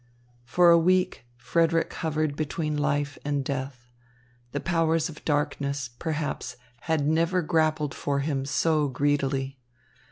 For a week Frederick hovered between life and death. The powers of darkness, perhaps, had never grappled for him so greedily.